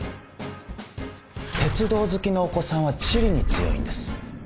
鉄道好きのお子さんは地理に強いんです。